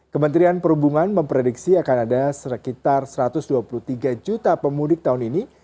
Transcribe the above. kementerian perhubungan memprediksi akan ada sekitar satu ratus dua puluh tiga juta pemudik tahun ini